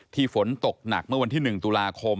ฝนตกหนักเมื่อวันที่๑ตุลาคม